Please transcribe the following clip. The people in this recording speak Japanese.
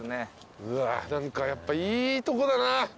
うわっ何かやっぱいいとこだな。